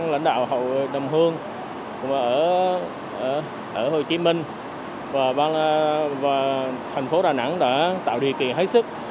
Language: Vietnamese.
lãnh đạo hầu đồng hương ở hồ chí minh và thành phố đà nẵng đã tạo điều kiện hết sức